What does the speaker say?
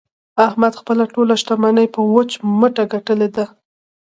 احمد خپله ټوله شمني په وچ مټه ګټلې ده.